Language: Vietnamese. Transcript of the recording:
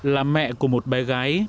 là mẹ của một bé gái